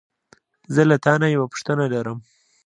زه له تا نه یوه پوښتنه لرم.